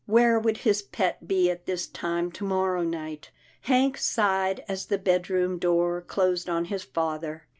Where would his pet be at this time to morrow night ? Hank sighed as the bed room door closed on his father.